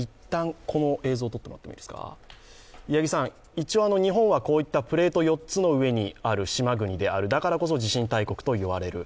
一応、日本はこういったプレート４つの上にある島国であるだからこそ地震大国といわれる